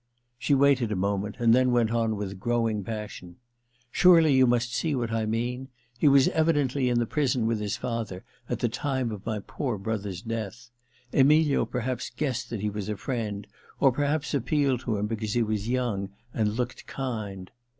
She waited a moment, and then went on with growing passion :* Surely you must see what I mean ? He was evidently in the prison with his father at the time of my poor brother's death. Emilio per haps guessed that he was a friend— or perhaps appealed to him because he was young and looked kind.